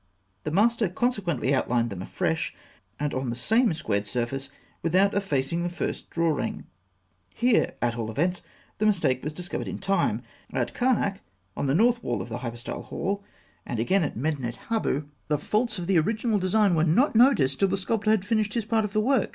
The master consequently outlined them afresh, and on the same squared surface, without effacing the first drawing. Here, at all events, the mistake was discovered in time. At Karnak, on the north wall of the hypostyle hall, and again at Medinet Habu, the faults of the original design were not noticed till the sculptor had finished his part of the work.